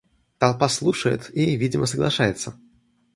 Толпа слушает и, видимо, соглашается.